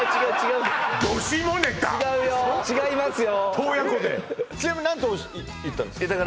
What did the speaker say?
洞爺湖でちなみに何と言ったんですか？